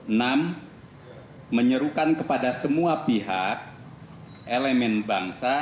enam menyerukan kepada semua pihak elemen bangsa